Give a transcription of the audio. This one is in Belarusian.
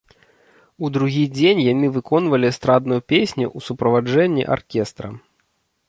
У другі дзень яны выконвалі эстрадную песню ў суправаджэнні аркестра.